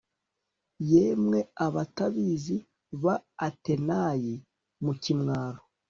Yemwe abatabazi ba Atenayi mu kimwaro